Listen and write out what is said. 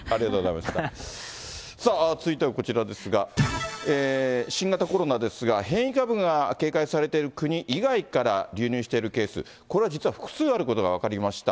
さあ、続いてはこちらですが、新型コロナですが、変異株が警戒されている国以外から流入しているケース、これは実は複数あることが分かりました。